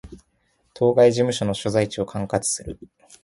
当該事務所の所在地を管轄する